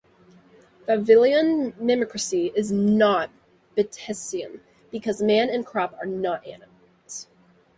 Vavilovian mimicry is not Batesian, because man and crop are not enemies.